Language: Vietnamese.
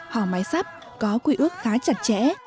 hò mái sắp có quy ước khá chặt chẽ